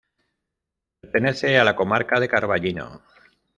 Pertenece a la Comarca de Carballino.